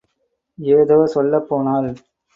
ஏதோ சொல்லப் போனாள்.